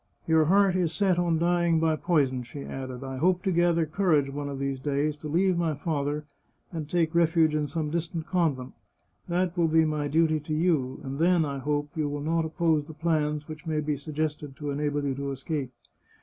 " Your heart is set on dying by poison," she added, " I hope to gather courage, one of these days, to leave my father, and take refuge in some distant convent. That will be my duty to you; and then, I hope, you will not oppose the plans which may be suggested to enable you to escape.